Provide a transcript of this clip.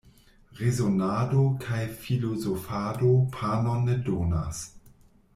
Rezonado kaj filozofado panon ne donas.